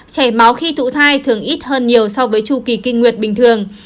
chảy máu khi thụ thai thường ít hơn nhiều so với tru kỳ kinh nguyệt bình thường